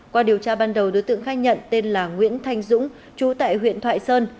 qua điều tra ban đầu đối tượng khai nhận tên là nguyễn thanh dũng chú tại huyện thoại sơn